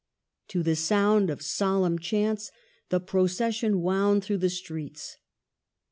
To the sound of solemn chants, the procession wound through the streets.